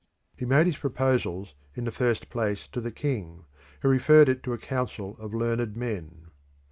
He made his proposals in the first place to the king, who referred it to a council of learned men.